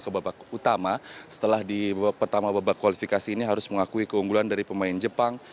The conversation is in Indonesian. ke babak utama setelah di babak pertama babak kualifikasi ini harus mengakui keunggulan dari pemain jepang